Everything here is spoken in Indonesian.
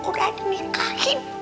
udah di nikahin